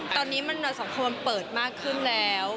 ตอนนี้มันสังคมเปิดมากขึ้นแล้ว